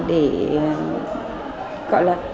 để gọi là